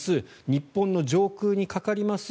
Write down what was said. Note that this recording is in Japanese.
日本の上空にかかります。